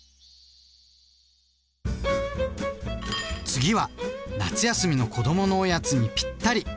次は夏休みの子どものおやつにぴったり！